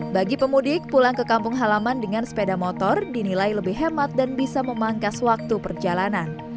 bagi pemudik pulang ke kampung halaman dengan sepeda motor dinilai lebih hemat dan bisa memangkas waktu perjalanan